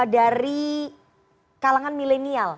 dari kalangan milenial